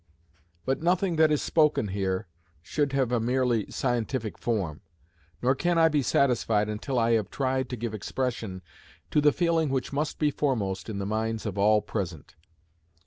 But nothing that is spoken here should have a merely scientific form, nor can I be satisfied until I have tried to give expression to the feeling which must be foremost in the minds of all present.